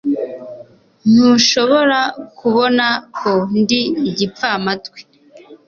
Ntushobora kubona ko ndi igipfamatwi